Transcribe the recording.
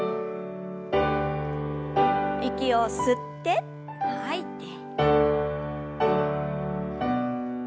息を吸って吐いて。